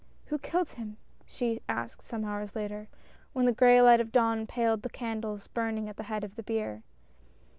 "Who killed him?" she asked, some hours later, when the gray light of dawn paled the candles burning at the head of the bier.